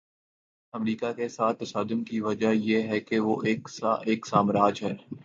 امریکہ کے ساتھ تصادم کی وجہ یہ ہے کہ وہ ایک سامراج ہے۔